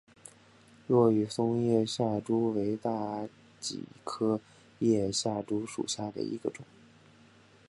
落羽松叶下珠为大戟科叶下珠属下的一个种。